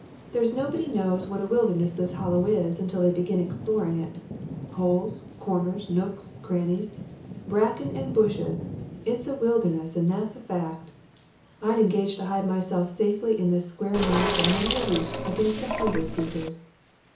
There's nobody knows what a wilderness this Hollow is until they begin exploring it. Holes corners nooks crannies bracken and bushes it is a wilderness, and that's a fact! I'd engage to hide myself safely in this square mile for many a week, against a hundred seekers.